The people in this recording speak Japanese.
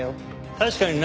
確かにな！